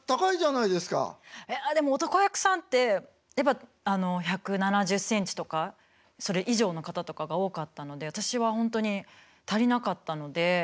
いやでも男役さんってやっぱ１７０センチとかそれ以上の方とかが多かったので私は本当に足りなかったので。